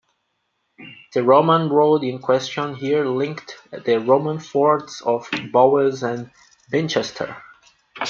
The Roman road in question here linked the Roman forts of Bowes and Binchester.